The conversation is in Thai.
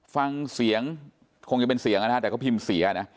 ฟังเสียงคงจะเป็นเสียงนะฮะแต่เขาพิมพ์เสียนะ